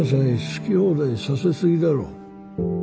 好き放題させ過ぎだろ。